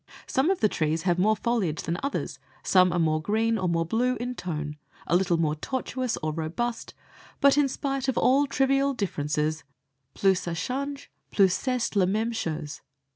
Some of the trees have more foliage than others, some are more green or more blue in tone, a little more tortuous, or robust, but in spite of all trivial differences plus ça change plus c'est la même chose.